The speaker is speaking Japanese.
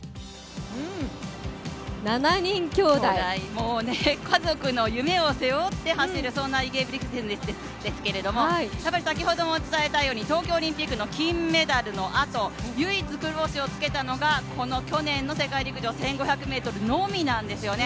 もう家族の夢を背負うそんなインゲブリクセンですけど先ほども伝えたように東京オリンピックの金メダルのあと、唯一黒星をつけたのが去年の世界陸上１５００ｍのみなんですよね。